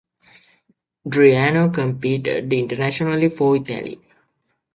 Driano competed internationally for Italy.